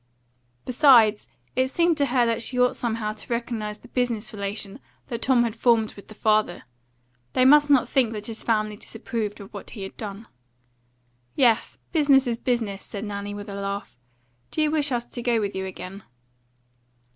Besides, it seemed to her that she ought somehow to recognise the business relation that Tom had formed with the father; they must not think that his family disapproved of what he had done. "Yes, business is business," said Nanny, with a laugh. "Do you wish us to go with you again?"